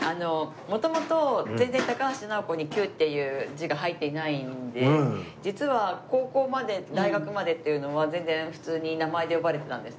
元々全然高橋尚子に「Ｑ」っていう字が入っていないので実は高校まで大学までっていうのは全然普通に名前で呼ばれてたんですね。